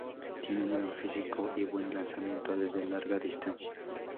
Tiene un gran físico y buen lanzamiento desde larga distancia.